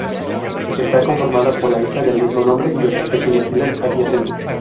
Está conformada por la isla del mismo nombre y otras pequeñas islas adyacentes.